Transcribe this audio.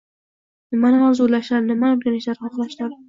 nimani orzulashlari, nimalarni o‘rganishni xohlashlari